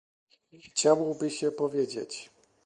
Chciałoby się powiedzieć